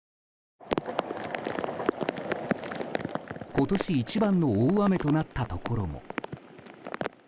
今年一番の大雨となったところも。